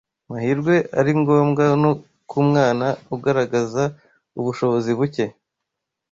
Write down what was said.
mahirwe ari ngombwa no ku mwana ugaragaza ubushobozi buke